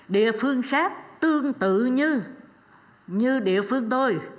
địa phương khác tương tự như địa phương tôi